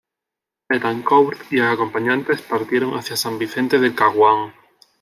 Betancourt y acompañantes partieron hacia San Vicente del Caguán.